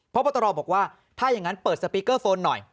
พบตรบอกว่าถ้าอย่างนั้นเปิดสปีกเกอร์โฟนหน่อย